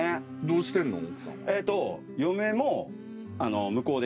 どうしてんの？